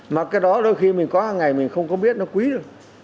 mà cái đó đôi khi mình có hàng ngày mình không có biết nó quý được